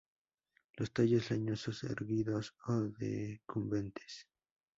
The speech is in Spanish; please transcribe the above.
Los tallos leñosos, erguidos o decumbentes.